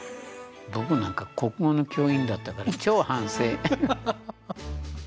僕なんか国語の教員だったから超反省。